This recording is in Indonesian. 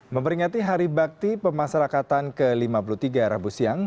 memperingati hari bakti pemasarakatan ke lima puluh tiga rabu siang